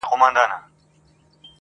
د زړه په هر درب كي مي ته اوســېږې~